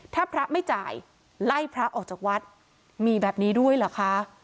ถ้าพระไม่จ่ายไล่พระออกจากวัดมีแบบนี้ด้วยเหรอคะ